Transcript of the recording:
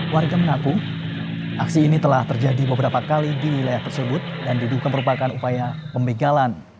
warga mengaku aksi ini telah terjadi beberapa kali di wilayah tersebut dan diduga merupakan upaya pembegalan